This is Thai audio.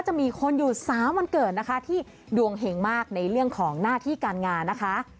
จะมีคนอยู่๓วันเกิดนะคะที่ดวงเห็งมากในเรื่องของหน้าที่การงานนะคะ